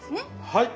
はい。